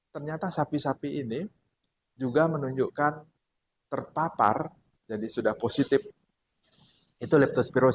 ternyata sapi sapi ini juga menunjukkan terpapar jadi sudah positif itu leptospirosis